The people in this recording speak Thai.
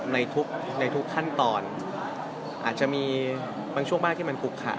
ในทุกขั้นตอนอาจจะมีบางช่วงบ้างที่มันคุกค่ะ